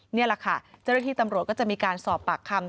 นี่แหละค่ะเจ้าหน้าที่ตำรวจก็จะมีการสอบปากคำ